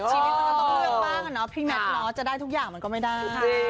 ชีวิตต้องร่วงมากนะพริกแม็กซ์จะได้ทุกอย่างมันก็ไม่ได้